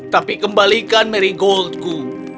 tapi kembalikan emasku